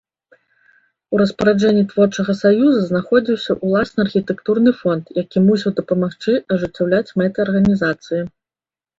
У распараджэнні творчага саюза знаходзіўся ўласны архітэктурны фонд, які мусіў дапамагчы ажыццяўляць мэты арганізацыі.